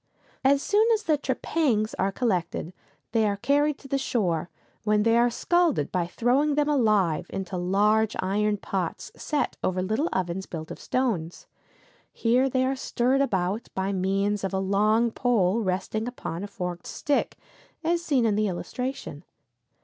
] As soon as the trepangs are collected they are carried to the shore, when they are scalded by throwing them alive into large iron pots set over little ovens built of stones. Here they are stirred about by means of a long pole resting upon a forked stick, as seen in the illustration.